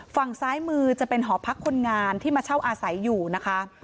ฝั่งซ้ายมือจะเป็นหอพักคนงานที่มาเช่าอาศัยอยู่นะคะ